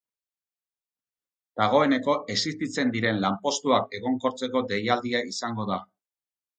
Dagoeneko existitzen diren lanpostuak egonkortzeko deialdia izango da.